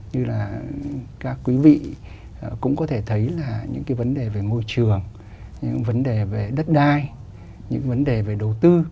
như là các quý vị cũng có thể thấy là những cái vấn đề về môi trường những vấn đề về đất đai những vấn đề về đầu tư